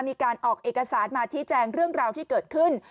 มีการออกเอกสารมาชี้แจงเรื่องราวที่เกิดขึ้น